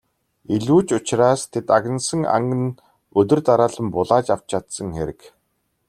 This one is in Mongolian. Илүү ч учраас тэд агнасан анг нь өдөр дараалан булааж авч чадсан хэрэг.